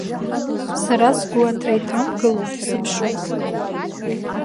Сара сгәы аҭра иҭамгыло сыԥшуп.